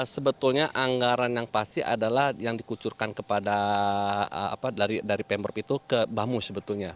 sebetulnya anggaran yang pasti adalah yang dikucurkan kepada pemprov itu ke bamus sebetulnya